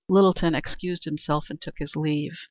Littleton excused himself and took his leave.